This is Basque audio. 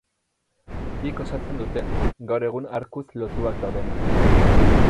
Bik osatzen dute, gaur egun arkuz lotuak daudenak.